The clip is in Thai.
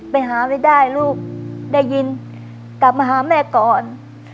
ไปหาไม่ได้ลูกได้ยินกลับมาหาแม่ก่อน